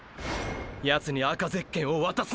ヤツに赤ゼッケンを渡すな！！